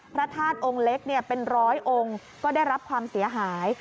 พระธาตุองค์เล็กเป็นร้อยองค์ก็ได้รับความเสียหาย